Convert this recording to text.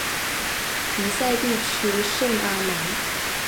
皮赛地区圣阿芒。